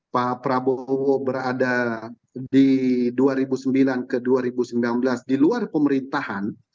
pak prabowo berada di dua ribu sembilan ke dua ribu sembilan belas di luar pemerintahan